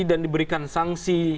dan diberikan sanksi